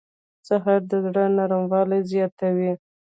سهار د زړه نرموالی زیاتوي.